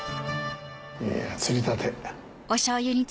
いやぁ釣りたて。